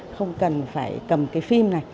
không cần phải cầm cái phim này